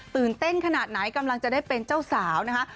ตื่นเต้นขนาดไหนกำลังจะได้เป็นเจ้าสาวนะคะ